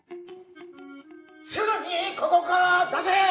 すぐにここから出せ！